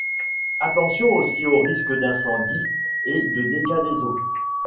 Attention aussi au risque d'incendie et de dégât des eaux.